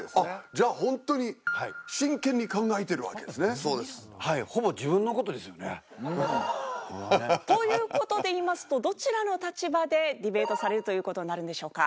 じゃあホントに真剣に考えてるわけですね？という事でいいますとどちらの立場でディベートされるという事になるんでしょうか？